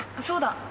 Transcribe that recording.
そうだ！